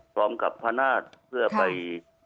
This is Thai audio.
พร้อมกับพระนาศเพื่อไป